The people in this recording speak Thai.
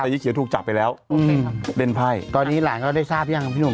แต่ยายเขียวถูกจับไปแล้วอืมเล่นไพ่ตอนนี้หลานก็ได้ทราบยังครับพี่หนุ่ม